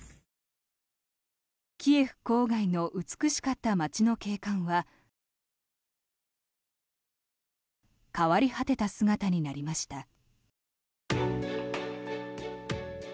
キエフ郊外の美しかった街の景観は変わり果てた姿になりました。